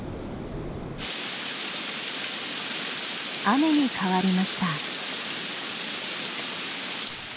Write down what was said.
雨に変わりました。